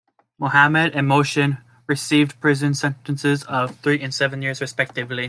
Mohammed and Mohssin received prison sentences of three and seven years respectively.